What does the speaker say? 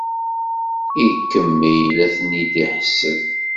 Ikemmel la ten-id-iḥesseb.